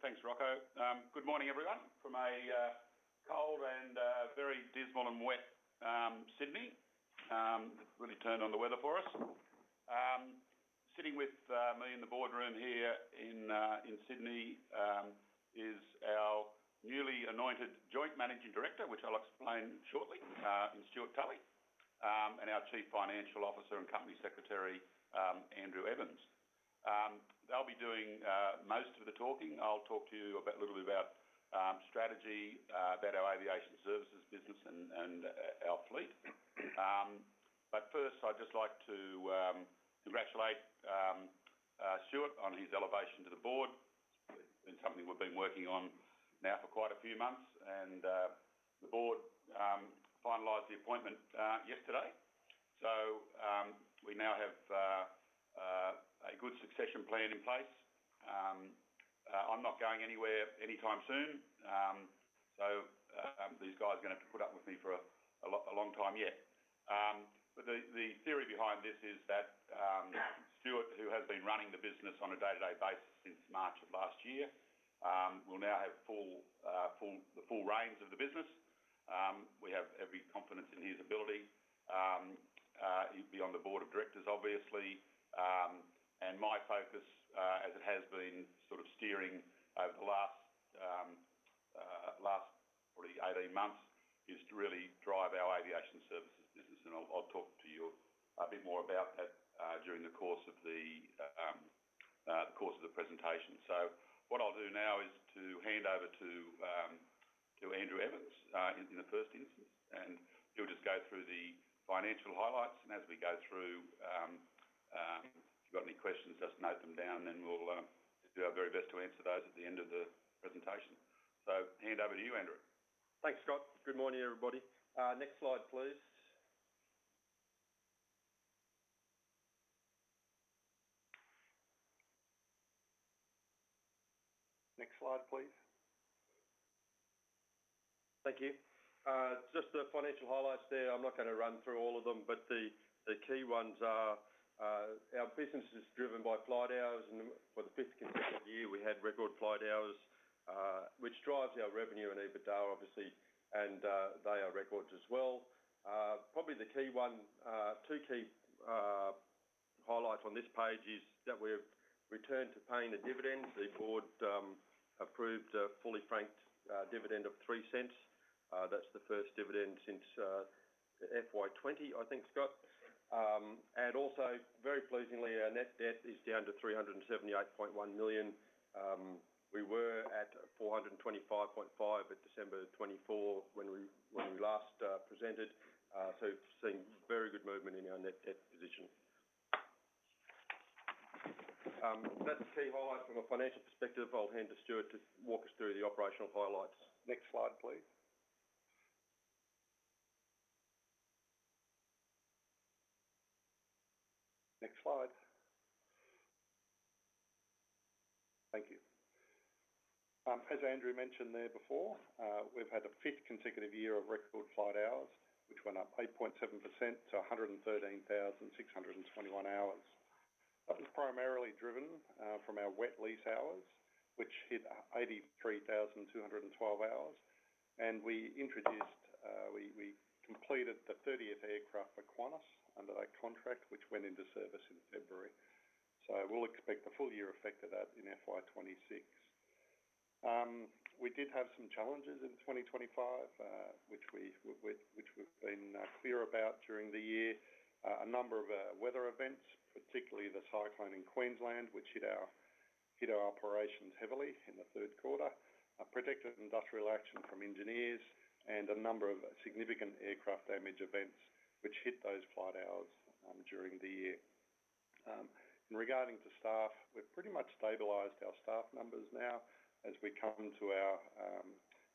Thanks, Rocco. Good morning, everyone, from a cold and very dismal and wet Sydney. Really turned on the weather for us. Sitting with me in the boardroom here in Sydney is our newly anointed Joint Managing Director, which I'll explain shortly, in Stewart Tully, and our Chief Financial Officer and Company Secretary, Andrew Evans. They'll be doing most of the talking. I'll talk to you a little bit about strategy, about our aviation services business, and our fleet. First, I'd just like to congratulate Stewart on his elevation to the board. It's been something we've been working on now for quite a few months, and the board finalized the appointment yesterday. We now have a good succession plan in place. I'm not going anywhere anytime soon, so these guys are going to have to put up with me for a long time yet. The theory behind this is that Stewart, who has been running the business on a day-to-day basis since March of last year, will now have the full reins of the business. We have every confidence in his ability. He'd be on the board of directors, obviously. My focus, as it has been sort of steering over the last probably 18 months, is to really drive our aviation services business. I'll talk to you a bit more about that during the course of the presentation. What I'll do now is to hand over to Andrew Evans in the first instance, and he'll just go through the financial highlights. As we go through, if you've got any questions, just note them down, and we'll do our very best to answer those at the end of the presentation. Hand over to you, Andrew. Thanks, Scott. Good morning, everybody. Next slide, please. Next slide, please. Thank you. Just the financial highlights there. I'm not going to run through all of them, but the key ones are our business is driven by flight hours. For the fifth consecutive year, we had record flight hours, which drives our revenue and EBITDA, obviously, and they are records as well. Probably the key one, two key highlights on this page is that we've returned to paying the dividends. The board approved a fully franked dividend of $0.03. That's the first dividend since FY 2020, I think, Scott. Also, very pleasingly, our net debt is down to $378.1 million. We were at $425.5 million at December 2024 when we last presented. We've seen very good movement in our net debt position. That's the key highlights from a financial perspective. I'll hand to Stewart to walk us through the operational highlights. Next slide, please. Next slide. Thank you. As Andrew mentioned there before, we've had a fifth consecutive year of record flight hours, which went up 8.7% to 113,621 hours. That was primarily driven from our wet lease hours, which hit 83,212 hours. We introduced, we completed the 30th aircraft at Qantas under that contract, which went into service in February. We'll expect the full year effect of that in FY 2026. We did have some challenges in 2025, which we've been clear about during the year. A number of weather events, particularly this cyclone in Queensland, which hit our operations heavily in the third quarter, protected industrial action from engineers, and a number of significant aircraft damage events which hit those flight hours during the year. In regarding to staff, we've pretty much stabilized our staff numbers now as we come to our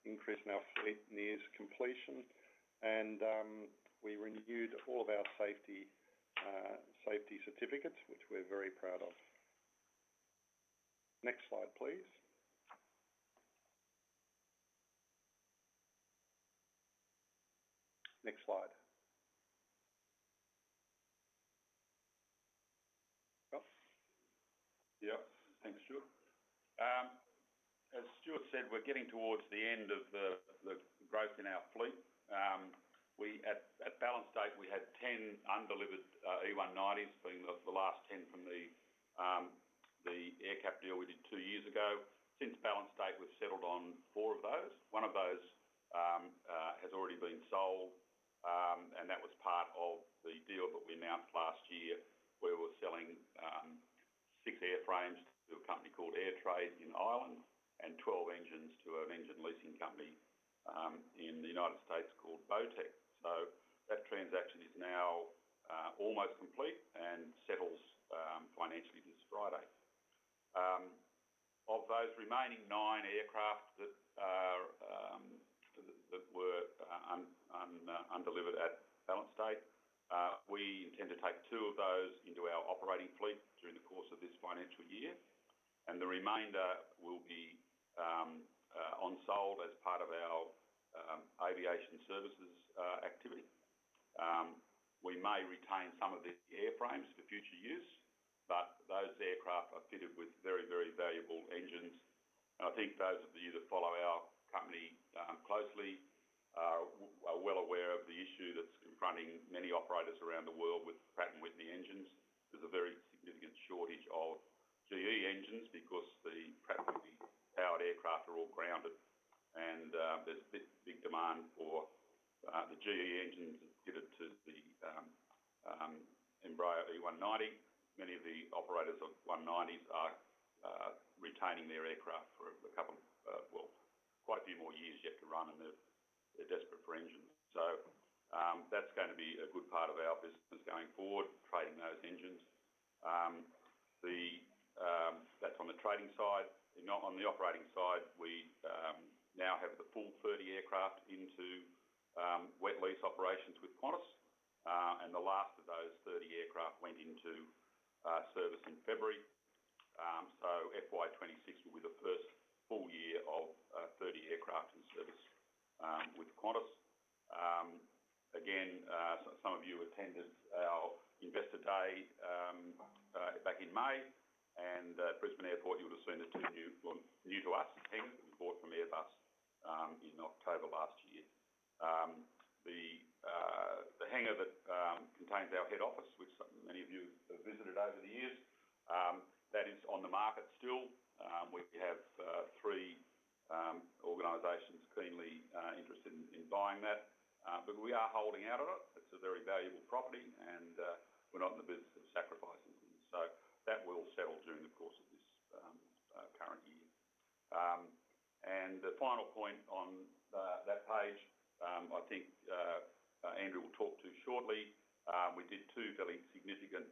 increase in our fleet increase. We renewed all of our safety certificates, which we're very proud of. Next slide, please. Next slide. Yep. Thank you As Stewart said, we're getting towards the end of the growth in our fleet. At balance date, we had 10 undelivered E190s, including the last 10 from the aircraft deal we did two years ago. Since balance date, we've settled on four of those. One of those has already been sold, and that was part of the deal that we announced last year where we're selling six airframes to a company called Air Trade (Ireland) and 12 engines to an engine leasing company in the United States called Beautech. That transaction is now almost complete and settles financially this Friday. Of those remaining nine aircraft that were undelivered at balance date, we intend to take two of those into our operating fleet during the course of this financial year. The remainder will be onsold as part of our aviation services activity. We may retain some of the airframes for future use, but those aircraft are fitted with very, very valuable engines. I think those of you that follow our company closely are well aware of the issue that's confronting many operators around the world with Pratt & Whitney engines. There's a very significant shortage of GE engines because the Pratt & Whitney-powered aircraft are all grounded. There's a big demand for the GE engines fitted to the Embraer 190. Many of the operators of 190s are retaining their aircraft for quite a few more years yet to run, and they're desperate for engines. That's going to be a good part of our business going forward, trading those engines. That's on the trading side. On the operating side, we now have the full 30 aircraft into wet lease operations with Qantas. The last of those 30 aircraft went into service in February. FY 2026 will be the first full year of 30 aircraft in service with Qantas. Some of you attended our Investor Day back in May. At Brisbane Airport, you'll have seen the two new, well, new to us, the hangar that we bought from Airbus in October last year. The hangar that contains our head office, which many of you have visited over the years, is on the market still. We have three organizations keenly interested in buying that. We are holding out on it. It's a very valuable property, and we're not in the business of sacrificing them. That will settle during the course of this current year. The final point on that page, I think Andrew will talk to shortly. We did two fairly significant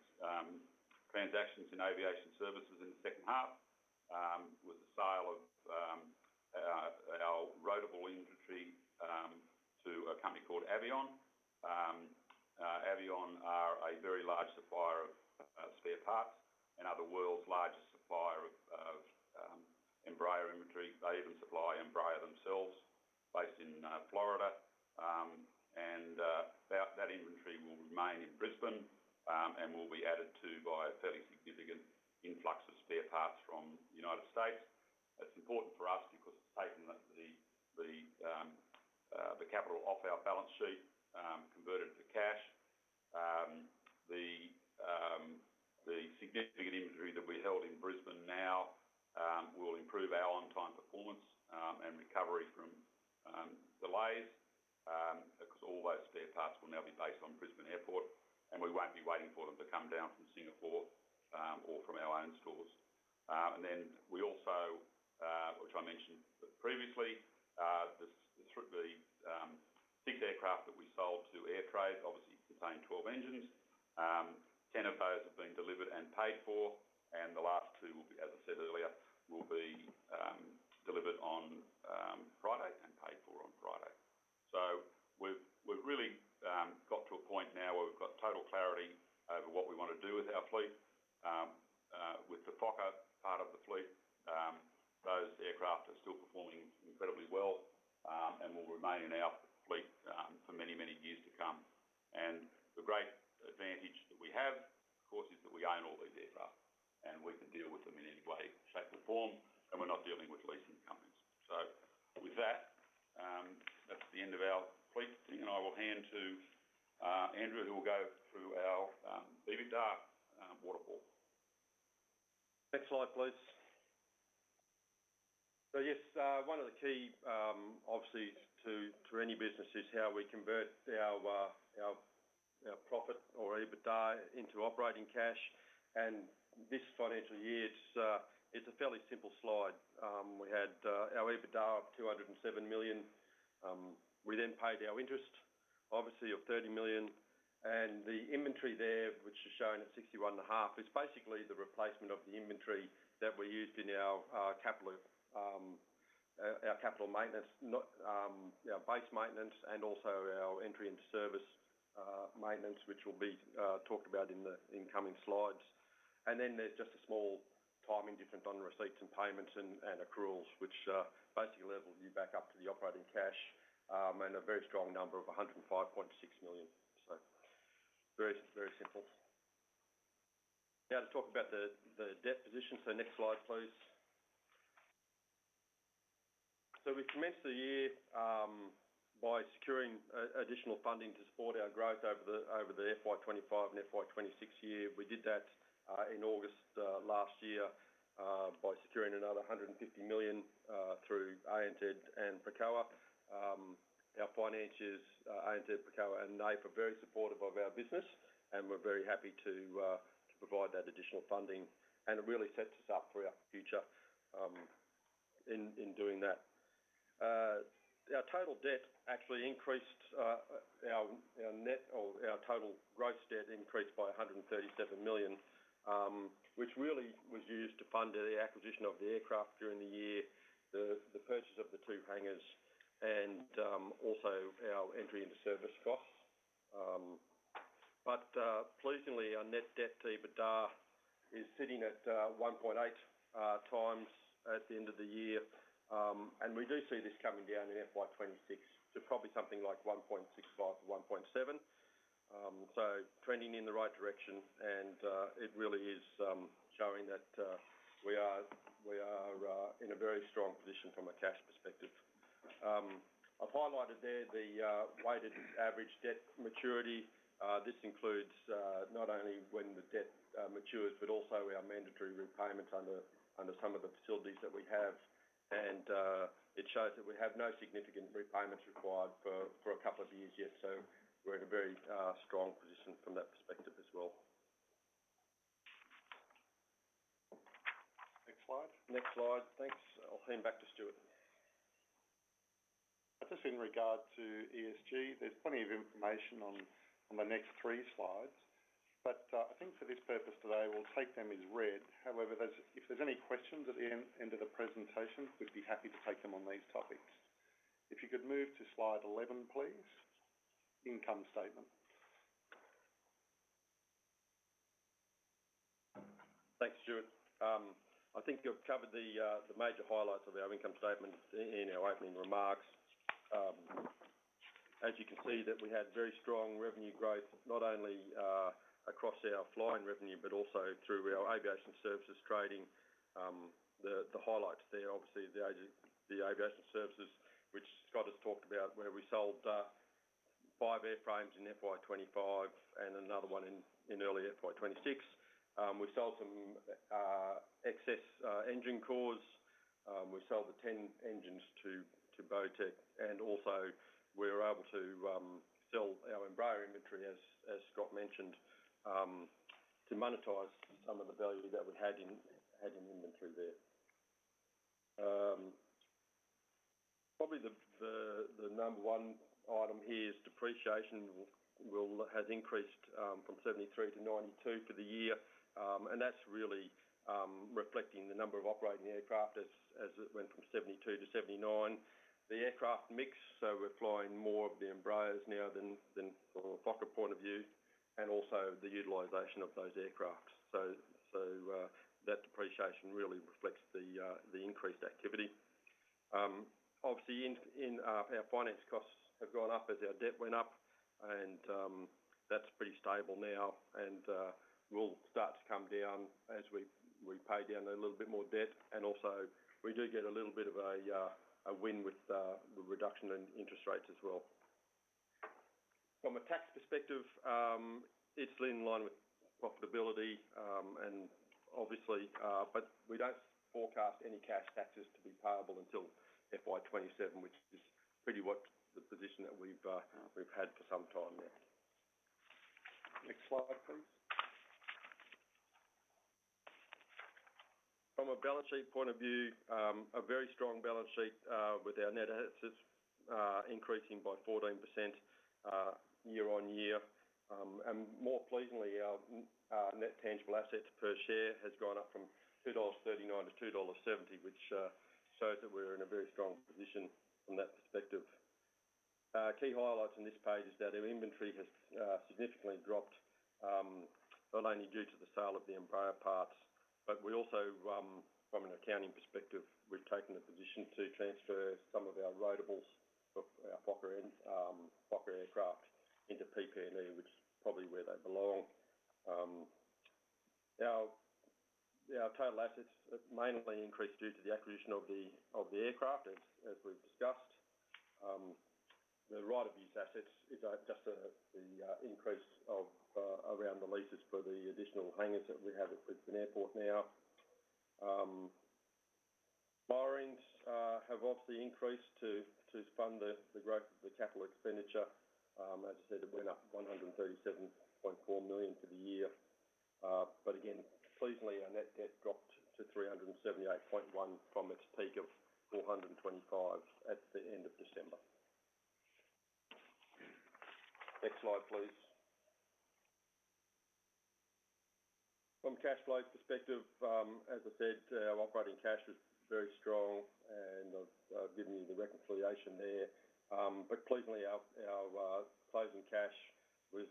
transactions in aviation services in the second half with the sale of our rotable inventory to a company called Avion. Avion are a very large supplier of spare parts and are the world's largest supplier of Embraer inventory. They even supply Embraer themselves based in Florida. That inventory will remain in Brisbane and will be added to by a fairly significant influx of spare parts from the United States. It's important for us because it's taken the capital off our balance sheet, converted it to cash. The significant inventory that we held in Brisbane now will improve our on-time performance and recovery from delays. All those spare parts will now be based on Brisbane Airport, and we won't be waiting for them to come down from Singapore or from our own stores. We also, which I mentioned previously, the six aircraft that we sold to Air Trade obviously contain 12 engines. Ten of those have been delivered and paid for. The last two will be, as I said earlier, delivered on Friday and paid for on Friday. We've really got to a point now where we've got total clarity over what we want to do with our fleet. With the Fokker part of the fleet, those aircraft are still performing incredibly well and will remain in our fleet for many, many years to come. The great advantage that we have, of course, is that we own all these aircraft, and we can deal with them in any way, shape, or form, and we're not dealing with leasing companies. With that, that's the end of our fleet thing. I will hand to Andrew, who will go through our EBITDA waterfall. Next slide, please. Yes, one of the key, obviously, to any business is how we convert our profit or EBITDA into operating cash. This financial year, it's a fairly simple slide. We had our EBITDA of $207 million. We then paid our interest, obviously, of $30 million. The inventory there, which is shown at $61.5 million, is basically the replacement of the inventory that we used in our capital maintenance, our base maintenance, and also our entry into service maintenance, which will be talked about in the incoming slides. There's just a small timing difference on receipts and payments and accruals, which basically level you back up to the operating cash and a very strong number of $105.6 million. Very, very simple. Now to talk about the debt position. Next slide, please. We commenced the year by securing additional funding to support our growth over the FY 2025 and FY 2026 year. We did that in August last year by securing another $150 million through ANZ and Pricoa. Our financiers, ANZ, Pricoa, and NAIP are very supportive of our business, and we're very happy to provide that additional funding. It really sets us up for our future in doing that. Our total debt actually increased. Our net or our total gross debt increased by $137 million, which really was used to fund the acquisition of the aircraft during the year, the purchase of the two hangars, and also our entry into service costs. Pleasingly, our net debt to EBITDA is sitting at 1.8x at the end of the year. We do see this coming down in FY 2026 to probably something like 1.65x-1.7x. Trending in the right direction, it really is showing that we are in a very strong position from a cash perspective. I've highlighted there the weighted average debt maturity. This includes not only when the debt matures, but also our mandatory repayments under some of the facilities that we have. It shows that we have no significant repayments required for a couple of years yet. We're in a very strong position from that perspective as well. Next slide. Next slide. Thanks. I'll hand back to Stewart. That is in regard to ESG. There's plenty of information on the next three slides. I think for this purpose today, we'll take them as read. However, if there's any questions at the end of the presentation, we'd be happy to take them on these topics. If you could move to slide 11, please, income statement. Thanks, Stewart. I think you've covered the major highlights of our income statements in our opening remarks. As you can see, we had very strong revenue growth, not only across our flying revenue, but also through our aviation services trading. The highlights there, obviously, the aviation services, which Scott has talked about, where we sold five airframes in FY 2025 and another one in early FY 2026. We sold some excess engine cores. We sold the 10 engines to Beautech. We were able to sell our Embraer inventory, as Scott mentioned, to monetize some of the value that we had in inventory there. Probably the number one item here is depreciation has increased from $73 million to $92 million for the year. That's really reflecting the number of operating aircraft as it went from 72 to 79. The aircraft mix, we're flying more of the Embraers now than from a Fokker point of view, and also the utilization of those aircraft. That depreciation really reflects the increased activity. Obviously, our finance costs have gone up as our debt went up, and that's pretty stable now. It will start to come down as we pay down a little bit more debt. We do get a little bit of a win with the reduction in interest rates as well. From a tax perspective, it's in line with profitability, and we don't forecast any cash taxes to be payable until FY 2027, which is pretty much the position that we've had for some time now. Next slide, please. From a balance sheet point of view, a very strong balance sheet with our net assets increasing by 14% year-on-year. More pleasingly, our net tangible assets per share has gone up from $2.39 to $2.70, which shows that we're in a very strong position from that perspective. Key highlights on this page is that our inventory has significantly dropped, not only due to the sale of the Embraer parts, but we also, from an accounting perspective, we've taken the position to transfer some of our rotables of our Fokker aircraft into PP&E, which is probably where they belong. Our total assets mainly increased due to the acquisition of the aircraft, as we've discussed. The right of use assets is just the increase around the leases for the additional hangars that we have at Brisbane Airport now. Borrowings have obviously increased to fund the growth of the capital expenditure. As I said, it went up $137.4 million for the year. Pleasingly, our net debt dropped to $378.1 million from its peak of $425 million at the end of December. Next slide, please. From a cash flows perspective, as I said, our operating cash was very strong, and I've given you the reconciliation there. Pleasingly, our closing cash was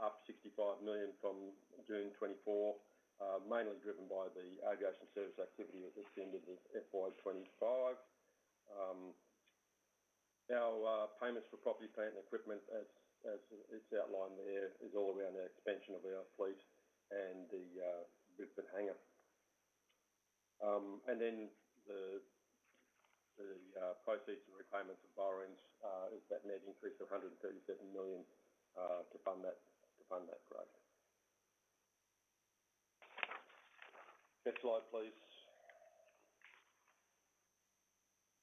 up $65 million from June 2024, mainly driven by the aviation services activity with ascenders of FY 2025. Our payments for property, plant, and equipment, as it's outlined there, is all around our expansion of our fleet and the Brisbane hangar. The proceeds and repayments of borrowings, that net increased to $137 million to fund that growth. Next slide, please.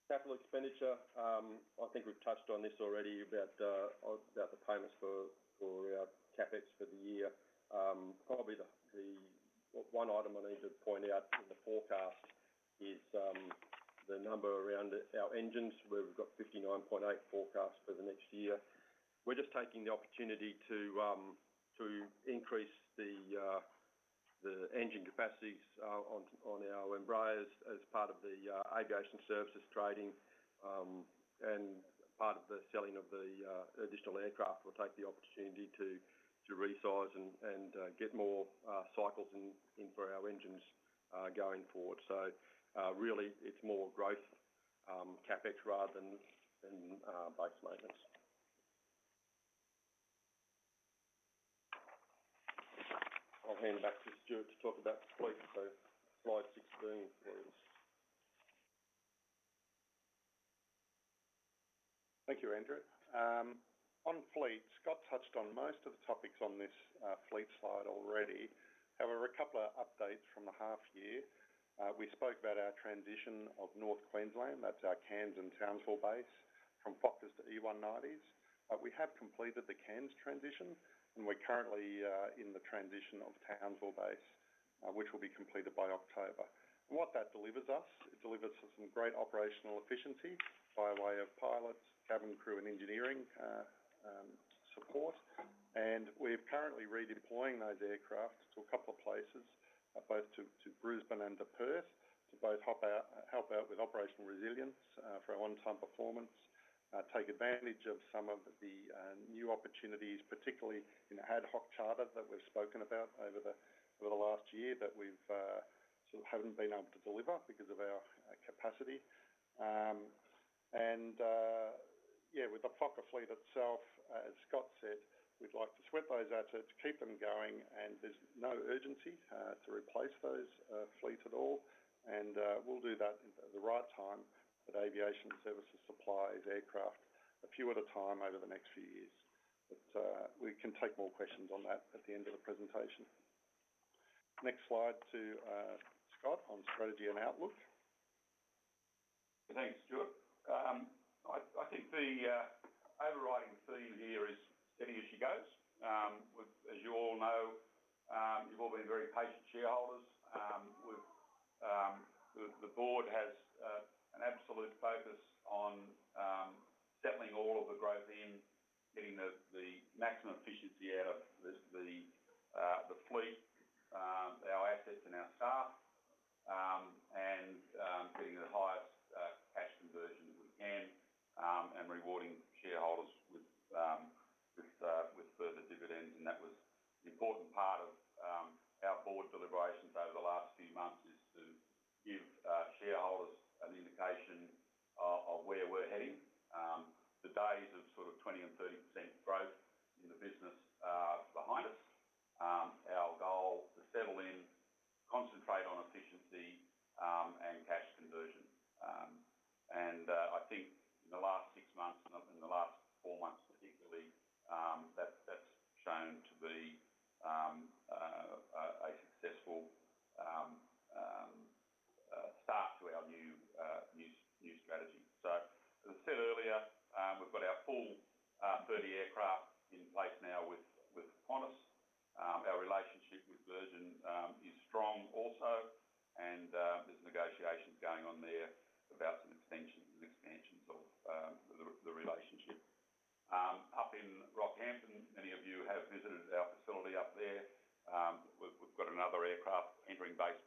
Capital expenditure, I think we've touched on this already about the payments for our CapEx for the year. Probably the one item I need to point out in the forecast is the number around our engines, where we've got $59.8 million forecast for the next year. We're just taking the opportunity to increase the engine capacities on our Embraer E190s as part of the aviation services trading. Part of the selling of the additional aircraft, we'll take the opportunity to resize and get more cycles in for our engines going forward. It is really more growth CapEx rather than base maintenance. I'll hand back to Stewart to talk about fleet. Slide 16. Thank you, Andrew. On fleet, Scott touched on most of the topics on this fleet slide already. However, a couple of updates from the half year. We spoke about our transition of North Queensland, that's our Cairns and Townsville base, from Fokkers to E190s. We have completed the Cairns transition, and we're currently in the transition of Townsville base, which will be completed by October. What that delivers us, it delivers us some great operational efficiency by way of pilots, cabin crew, and engineering support. We're currently redeploying those aircraft to a couple of places, both to Brisbane and to Perth, to both help out with operational resilience for our on-time performance and take advantage of some of the new opportunities, particularly in ad hoc charter that we've spoken about over the last year that we sort of haven't been able to deliver because of our capacity. With the Fokker fleet itself, as Scott said, we'd like to swap those assets, keep them going, and there's no urgency to replace those fleets at all. We'll do that at the right time with aviation services supplies, aircraft, a few at a time over the next few years. We can take more questions on that at the end of the presentation. Next slide to Scott on strategy and outlook. Thanks, Stewart. I think the overriding theme here is getting as it goes. As you all know, you've all been very patient shareholders. The Board has an absolute focus on settling all of the growth in, getting the maximum efficiency out of the fleet, our assets, and our staff, and getting the highest cash conversion we can and rewarding shareholders with further dividends. That was an important part of our Board deliberations over the last few months, to give shareholders an indication of where we're heading. The days of sort of 20% and 30% growth in the business are behind us. Our goal is to settle in, concentrate on efficiency and cash conversion. I think in the last six months and in the last four months, I think really that's shown to be a successful start to our new strategy. As I said earlier, we've got our full 30 aircraft in place now with Qantas. Our relationship with Virgin is strong also, and there's negotiations going on there about some extensions and expansions of the relationship. Up in Rockhampton, many of you have visited our facility up there. We've got another aircraft entering base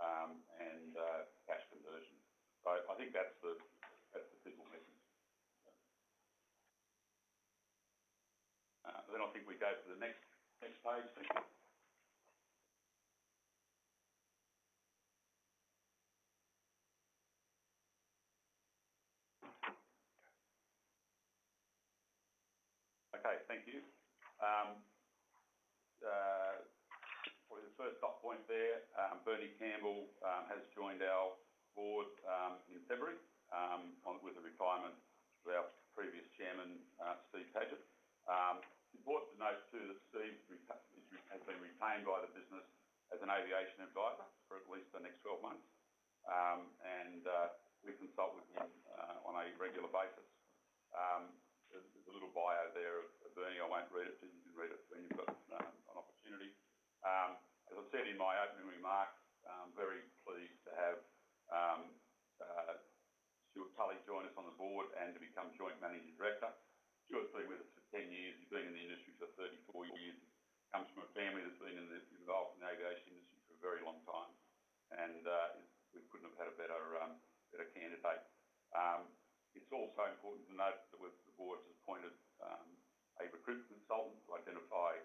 training programs and all that sort of stuff have fallen back to what we said each day. In terms of staff and staff turnover, it's actually reasonably settled now. That's all working well. From our perspective as management, we will be just really focusing on cost control, cost out efficiency, fleet utilization, and cash conversion. I think that's the simple message. I think we go to the next page, please. Okay. Thank you. It's a first dot point there. Bernie Campbell has joined our board in February with the retirement of our previous Chairman, Steve Padgett. Important to note, Stewart, Steve has been retained by the business as an aviation advisor for at least the next 12 months. We consult with him on a regular basis. There's a little bio there of Bernie. I won't read it to you. You can read it when you've got an opportunity. As I've said in my opening remarks, I'm very pleased to have Stewart Tully join us on the board and to become Joint Managing Director. Stewart's been with us for 10 years. He's been in the industry for 34 years. He comes from a family that's been involved in the aviation industry for a very long time. We couldn't have had a better candidate. It's also important to note that the board's appointed a recruitment consultant to identify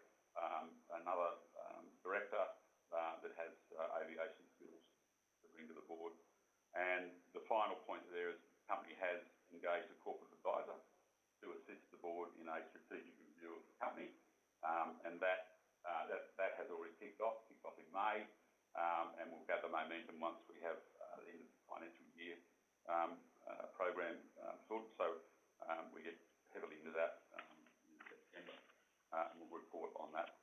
another director that has aviation skills to bring to the board. The final point there is the company has engaged a corporate advisor to assist the board in a strategic review of the company. That has already kicked off, kicked off in May. We'll have the momentum once we have the end of the financial year program sorted. We get heavily into that in September, and we'll report on that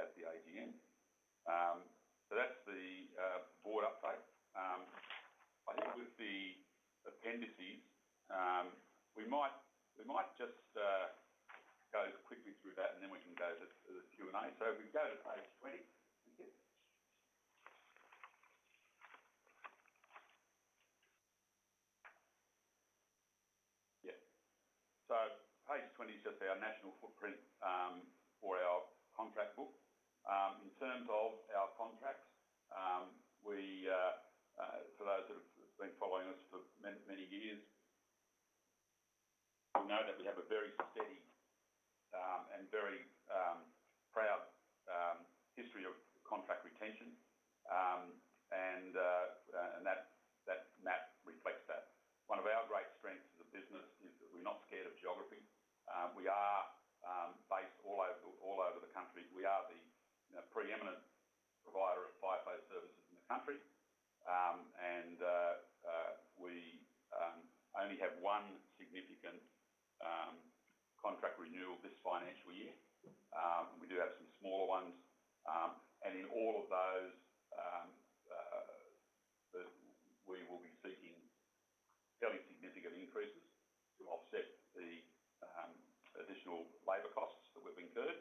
at the AGM. That's the board update. I think with the appendices, we might just go quickly through that, and then we can go to the Q&A. If we go to page 20. Page 20 sets our national footprint for our contract book. In terms of our contracts, for those that have been following us for many years, we know that we have a very steady and very proud history of contract retention. That map reflects that. One of our great strengths as a business is that we're not scared of geography. We are based all over the country. We are the preeminent provider of FIFO services in the country. We only have one significant contract renewal this financial year. We do have some smaller ones. In all of those, we will be seeking fairly significant increases to offset the additional labor costs that we've incurred.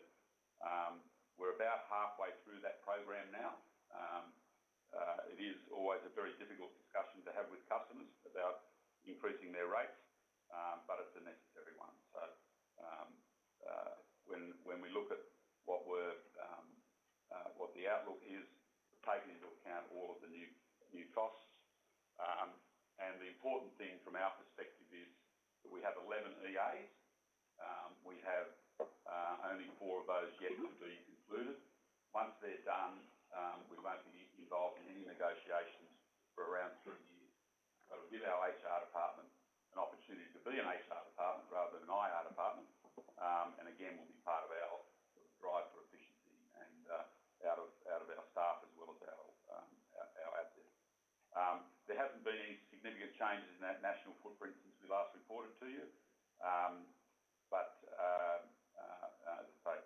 We're about halfway through that program now. It is always a very difficult discussion to have with customers about increasing their rates, but it's a necessary one. When we look at what the outlook is, taking into account all of the new costs. The important thing from our perspective is that we have 11 EAs. We have only four of those yet to be concluded. Once they're done, we won't be involved in any negotiations for around three years. It will give our HR department an opportunity to be an HR department rather than an IR department. It will be part of our drive for efficiency and out of our staff as well as our out there. There haven't been any significant changes in that national footprint since we last reported to you. As I say,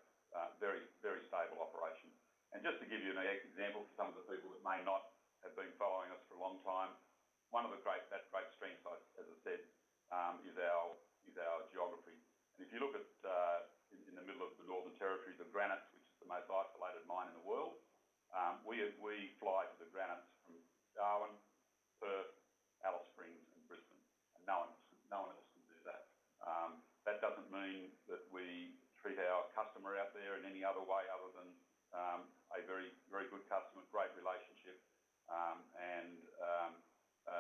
very, very stable operation. Just to give you an example for some of the people that may not have been following us for a long time, one of the great strengths, as I said, is our geography. If you look at in the middle of the Northern Territory, the Granites, which is the most isolated mine in the world, we fly to the Granites from Darwin, Perth, Alice Springs, and Brisbane. No one else can do that. That doesn't mean that we treat our customer out there in any other way other than a very, very good customer, great relationship.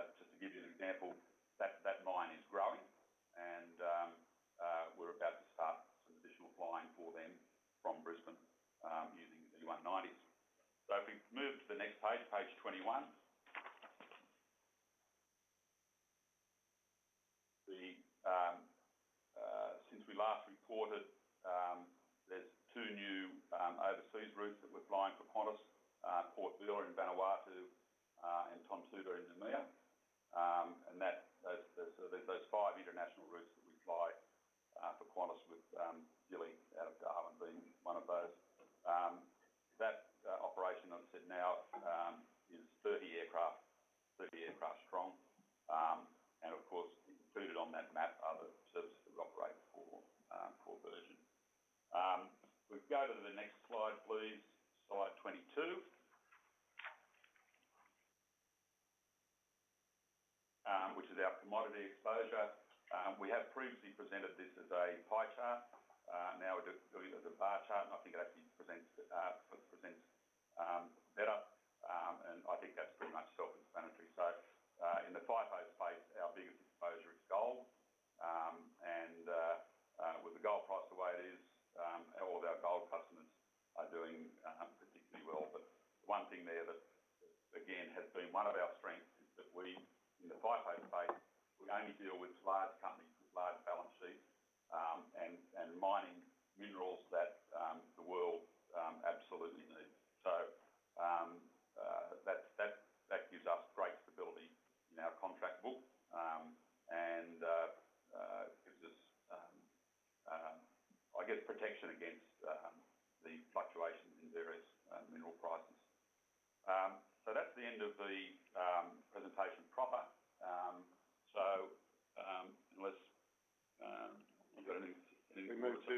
Just to give you an example, that mine is growing, and we're about to start some additional flying for them from Brisbane using the Now we're doing it as a bar chart, and I think it actually presents better. I think that's pretty much self-explanatory. In the FIFO space, our biggest exposure is gold. With the gold price the way it is, all of our gold customers are doing particularly well. One thing there that, again, has been one of our strengths is that we, in the FIFO space, only deal with large companies with large balance sheets and mining minerals that the world absolutely needs. That gives us great stability in our contract book. It's just, I guess, protection against the fluctuations in various mineral prices. That's the end of the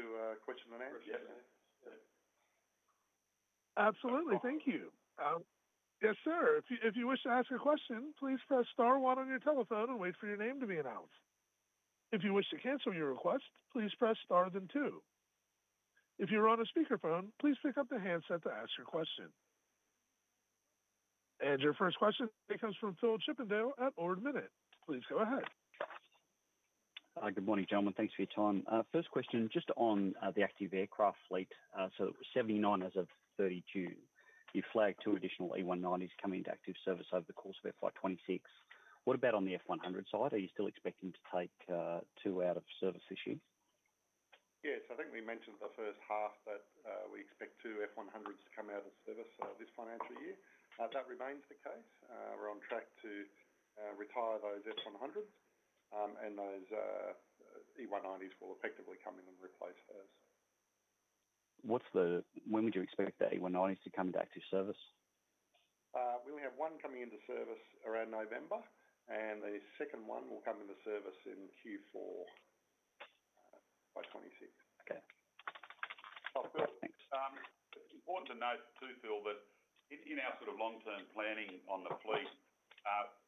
presentation proper. Unless you've got any... Can we move to a question and answer? Absolutely. Thank you. Yes, sir. If you wish to ask a question, please press star one on your telephone and wait for your name to be announced. If you wish to cancel your request, please press star then two. If you're on a speakerphone, please pick up the handset to ask your question. Your first question comes from Phil Chippindale at Ord Minnett. Please go ahead. Good morning, gentlemen. Thanks for your time. First question, just on the active aircraft fleet. So 79 as of 32. You flagged two additional E190s coming into active service over the course of FY 2026. What about on the F100 side? Are you still expecting to take two out of service issues? Yes. I think we mentioned the first half that we expect two F100s to come out of service this financial year. That remains the case. We're on track to retire those F100s, and those E190s will effectively come in and replace those. When would you expect the E190s to come into active service? We only have one coming into service around November, and the second one will come into service in Q4 2026. It's important to note too, Phil, that in our sort of long-term planning on the fleet,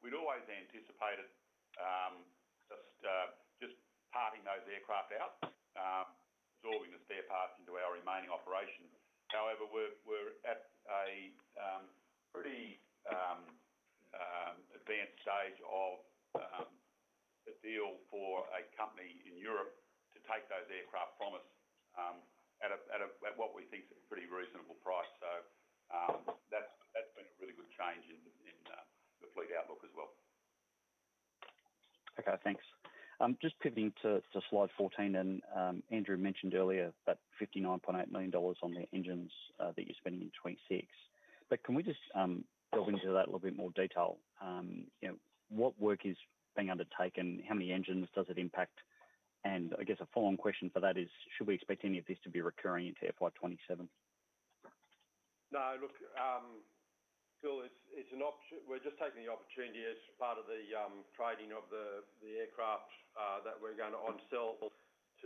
we'd always anticipated just parting those aircraft out, absorbing the spare parts into our remaining operation. However, we're at a pretty advanced stage of a deal for a company in Europe to take those aircraft from us at what we think is a pretty reasonable price. That's been a really good change in the fleet outlook as well. Okay. Thanks. Just pivoting to slide 14, and Andrew mentioned earlier about $59.8 million on the engines that you're spending in 2026. Can we just delve into that a little bit more detail? What work is being undertaken? How many engines does it impact? I guess a follow-on question for that is, should we expect any of this to be recurring into FY 2027? No. Look, Phil, we're just taking the opportunity as part of the trading of the aircraft that we're going to onsell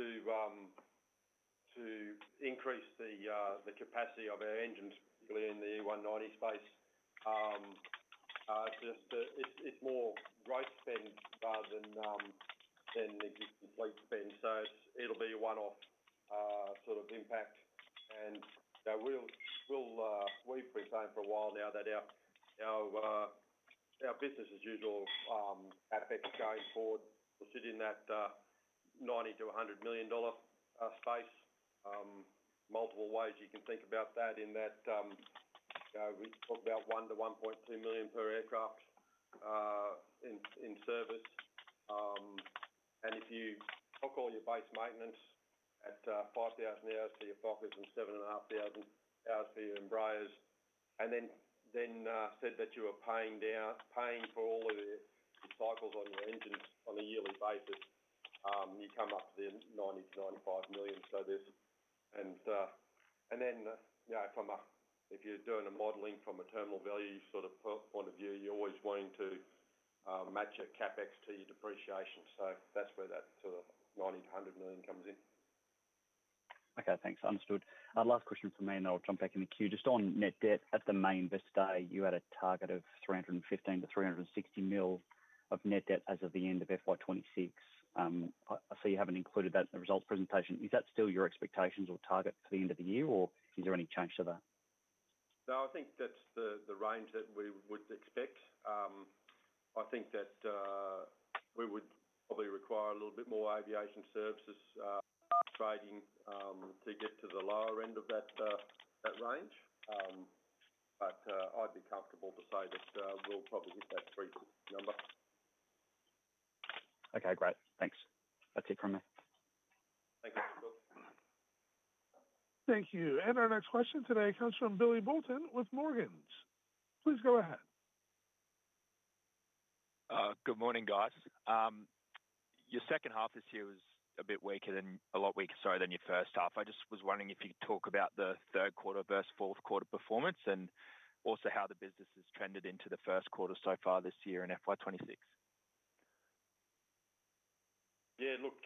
to increase the capacity of our engines, particularly in the E190 space. It's more growth spend rather than existing fleet spend. It'll be a one-off sort of impact. We've been saying for a while now that our business as usual at exchange forward will sit in that $90 million-$100 million space. Multiple ways you can think about that in that we talk about $1 million-$1.2 million per aircraft in service. If you hook all your base maintenance at 5,000 hours for your Fokkers and 7,500 hours for your Embraers, and then said that you were paying down, paying for all of your cycles on your engines on a yearly basis, you come up to the $90 million-$95 million. From a modeling from a terminal value sort of point of view, you're always wanting to match CapEx to your depreciation. That's where that sort of $90 million-$100 million comes in. Okay. Thanks. Understood. Last question from me, and then I'll jump back in the queue. Just on net debt, at the main investor day, you had a target of $315 million-$360 million of net debt as of the end of FY 2026. I see you haven't included that in the results presentation. Is that still your expectations or target for the end of the year, or is there any change to that? No, I think that's the range that we would expect. I think that we would probably require a little bit more aviation services trading to get to the lower end of that range, but I'd be comfortable to say that we'll probably hit that $360 million number. Okay. Great. Thanks. That's it from me. Thank you. Thank you. Our next question today comes from Billy Buolton with Morgans. Please go ahead. Good morning, guys. Your second half this year was a bit weaker than—a lot weaker, sorry, than your first half. I just was wondering if you could talk about the third quarter versus fourth quarter performance, and also how the business has trended into the first quarter so far this year in FY 2026. Yeah, look,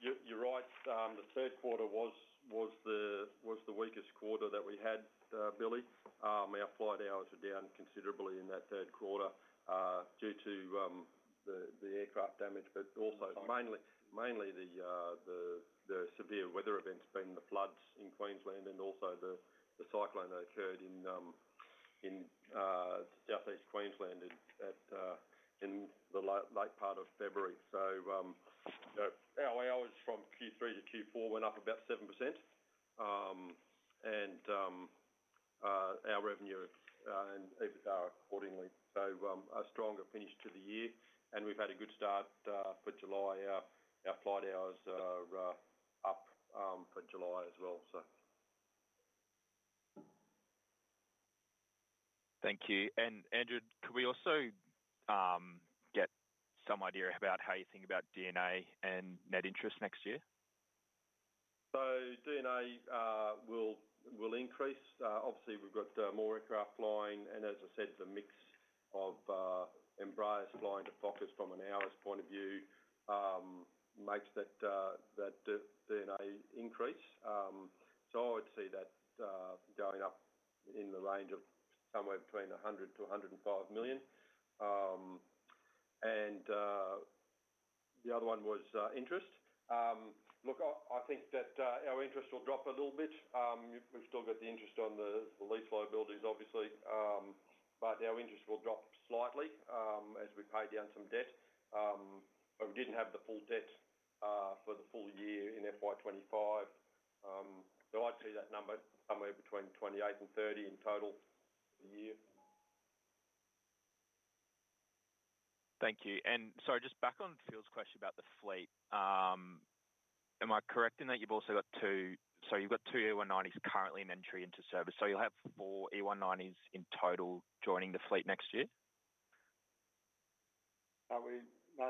you're right. The third quarter was the weakest quarter that we had, Billy. Our flight hours were down considerably in that third quarter due to the aircraft damage, but also mainly the severe weather events being the floods in Queensland and also the cyclone that occurred in Southeast Queensland in the late part of February. Our hours from Q3 to Q4 went up about 7% and our revenue and EBITDA accordingly. A stronger finish to the year. We've had a good start for July. Our flight hours are up for July as well. Thank you. Andrew, could we also get some idea about how you think about D&A and net interest next year? D&A will increase. Obviously, we've got more aircraft flying. As I said, the mix of Embraers flying to Fokkers from an hours point of view makes that D&A increase. I would see that going up in the range of somewhere between $100 million-$105 million. The other one was interest. Look, I think that our interest will drop a little bit. We've still got the interest on the lease liabilities, obviously. Our interest will drop slightly as we pay down some debt. We didn't have the full debt for the full year in FY 2025. I'd say that number is somewhere between $28 million and $30 million in total for the year. Thank you. Sorry, just back on Phil's question about the fleet, am I correct in that you've also got two... You've got two E190s currently in entry into service. You'll have four E190s in total joining the fleet next year? No,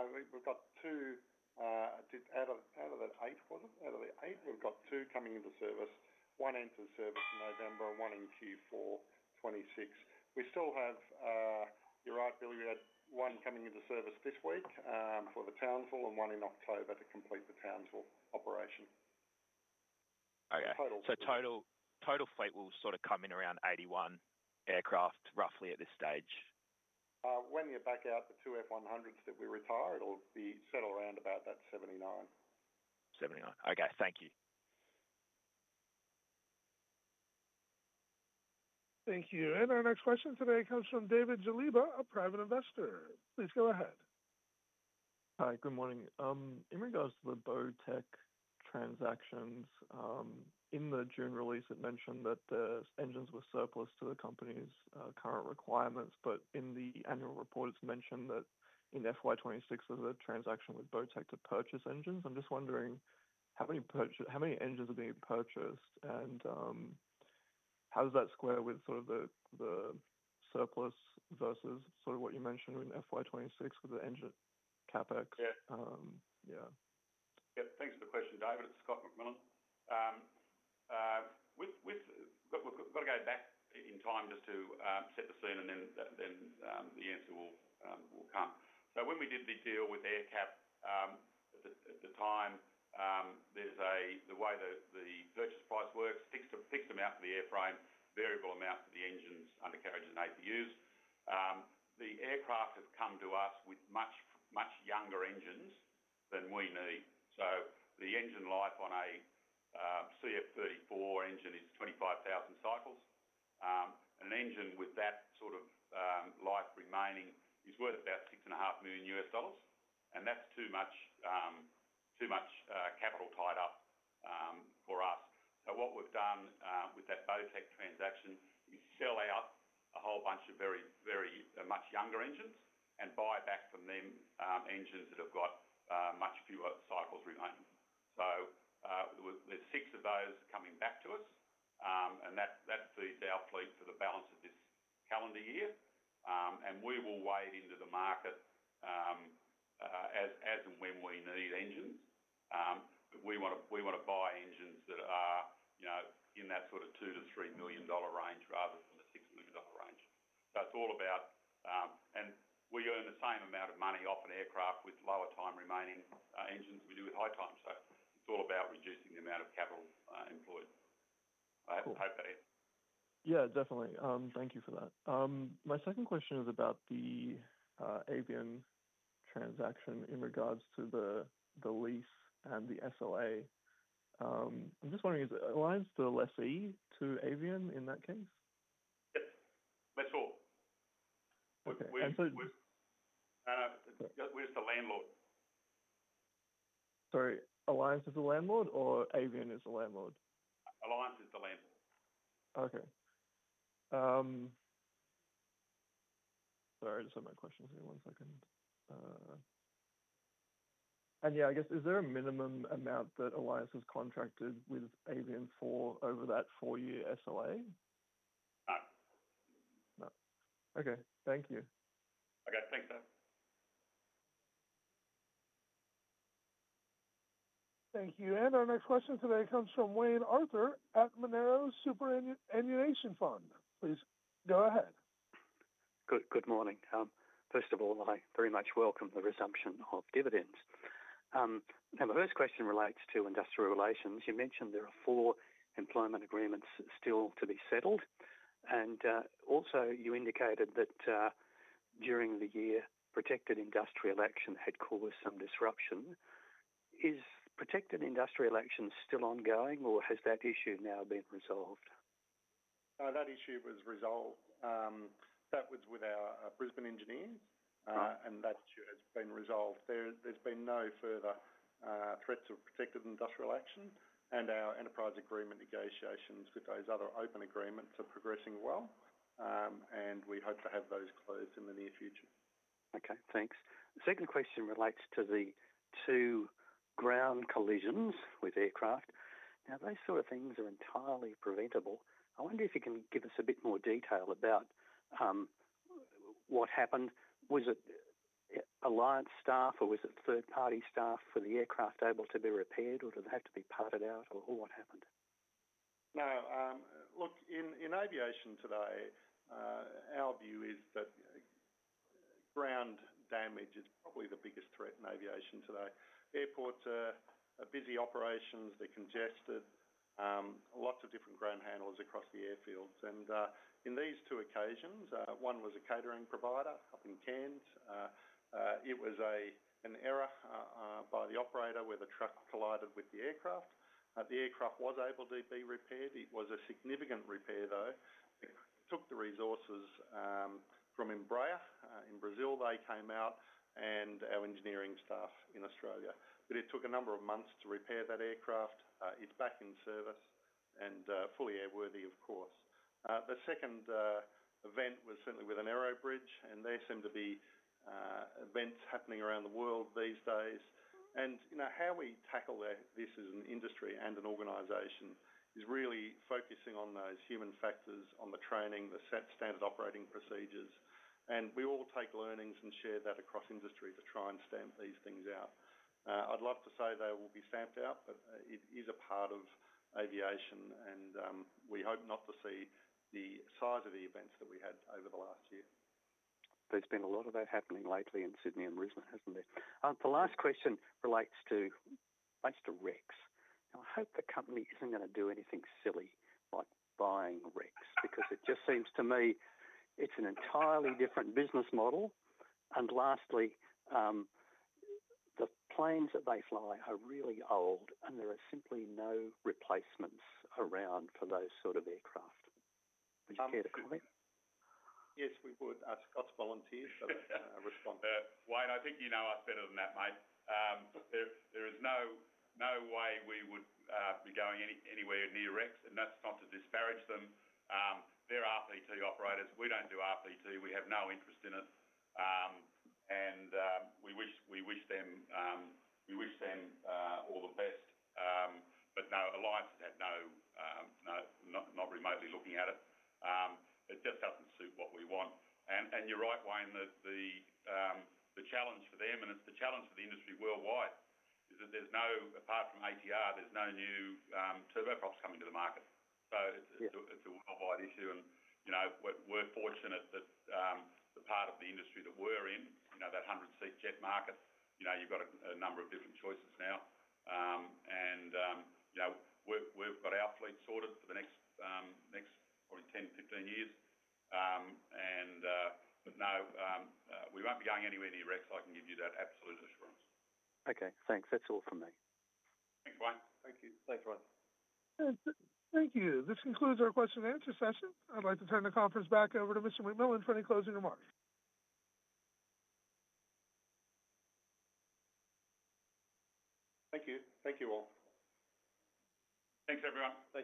we've got two. Out of that eight for them, out of the eight, we've got two coming into service. One enters service in November, one in Q4 2026. You're right, Billy, we had one coming into service this week for the Townsville and one in October to complete the Townsville operation. Okay, total fleet will sort of come in around 81 aircraft roughly at this stage? When you back out the two F100s that we retired, it'll be settled around about that 79. Okay. Thank you. Thank you. Our next question today comes from [David Jaliba], a private investor. Please go ahead. Hi. Good morning. In regards to the Beautech transactions, in the June release, it mentioned that the engines were surplus to the company's current requirements. In the annual report, it's mentioned that in FY 2026, there's a transaction with Beautech to purchase engines. I'm just wondering, how many engines are being purchased? How does that square with the surplus versus what you mentioned in FY 2026 with the engine CapEx? Yeah. Yeah. Thanks for the question, David. It's Scott McMillan. We've got to go back in time just to set the scene, and then the answer will come. When we did the deal with Aircap at the time, there's a... The way that the purchase price works, fixed amount for the airframe, variable amount for the engines, undercap engine eight to use. The aircraft have come to us with much, much younger engines than we need. The engine life on a CF34 engine is 25,000 cycles. An engine with that sort of life remaining is worth about $6.5 million. That's too much capital tied up for us. What we've done with that Beautech transaction is sell out a whole bunch of very, very much younger engines and buy back from them engines that have got much fewer cycles remaining. There are six of those coming back to us. That feeds our fleet for the balance of this calendar year. We will wade into the market as and when we need engines. We want to buy engines that are in that sort of $2 million-$3 million range rather than the $6 million range. It's all about... We earn the same amount of money off an aircraft with lower time remaining engines we do with high time. It's all about reducing the amount of capital employed. I hope that answers. Yeah, definitely. Thank you for that. My second question is about the Avion transaction in regards to the lease and the SLA. I'm just wondering, is Alliance the lessee to Avion in that case? Yep, that's all. Okay. Where's the landlord? Sorry. Alliance is the landlord or Avion is the landlord? Services Ltd is the landlord. Okay. Sorry, I just had my questions here one second. Is there a minimum amount that Alliance has contracted with Avion for over that four-year SLA? No. No. Okay, thank you. Okay, thanks though. Thank you. Our next question today comes from [Wayne Arthur at Monero Superannuation Fund]. Please go ahead. Good morning. First of all, I very much welcome the resumption of dividends. My first question relates to industrial relations. You mentioned there are four employment agreements still to be settled. You indicated that during the year, protected industrial action had caused some disruption. Is protected industrial action still ongoing, or has that issue now been resolved? No, that issue was resolved. That was with our Brisbane engineers, and that issue has been resolved. There's been no further threats of protected industrial action. Our enterprise agreement negotiations with those other open agreements are progressing well, and we hope to have those closed in the near future. Okay. Thanks. The second question relates to the two ground collisions with aircraft. Now, those sort of things are entirely preventable. I wonder if you can give us a bit more detail about what happened. Was it Alliance staff or was it third-party staff? Were the aircraft able to be repaired, or did they have to be parted out, or what happened? No. Look, in aviation today, our view is that ground damage is probably the biggest threat in aviation today. Airports are busy operations. They're congested. Lots of different ground handlers across the airfields. In these two occasions, one was a catering provider up in Cairns. It was an error by the operator where the truck collided with the aircraft. The aircraft was able to be repaired. It was a significant repair, though. It took the resources from Embraer in Brazil. They came out and our engineering staff in Australia, but it took a number of months to repair that aircraft. It's back in service and fully airworthy, of course. The second event was certainly with an Arrow Bridge. There seem to be events happening around the world these days. You know how we tackle this as an industry and an organization is really focusing on those human factors, on the training, the set standard operating procedures. We all take learnings and share that across industry to try and stamp these things out. I'd love to say they will be stamped out, but it is a part of aviation. We hope not to see the size of the events that we had over the last year. There's been a lot of that happening lately in Sydney and Brisbane, hasn't there? The last question relates to Rex. I hope the company isn't going to do anything silly like buying Rex because it just seems to me it's an entirely different business model. Lastly, the planes that they fly are really old, and there are simply no replacements around for those sort of aircraft. Would you care to comment? Yes, we would. I've got to volunteer for that. I respond. Why? I think you know us better than that, mate. There is no way we would be going anywhere near Rex, and that's not to disparage them. They're RPT operators. We don't do RPT. We have no interest in it. We wish them all the best. No, Alliance had no, not remotely looking at it. It just doesn't suit what we want. You're right, Wayne, that the challenge for them, and it's the challenge for the industry worldwide, is that there's no, apart from ATR, there's no new turboprops coming to the market. It's a worldwide issue. We're fortunate that the part of the industry that we're in, that 100-seat jet market, you've got a number of different choices now. We've got our fleet sorted for the next probably 10 years, 15 years. No, we won't be going anywhere near Rex. I can give you that absolute assurance. Okay, thanks. That's all from me. Thanks, Wayne. Thank you. Thanks, Ryan. Thank you. This concludes our question and answer session. I'd like to turn the conference back over to Mr. McMillan for any closing remarks. Thank you. Thank you all. Thanks, everyone. Thanks.